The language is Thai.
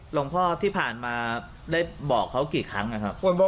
พ่อที่ผ่านมาได้บอกเขากี่ครั้งนะครับ